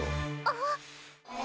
あっ。